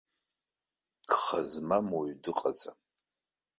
Гха змам уаҩ дыҟаӡам.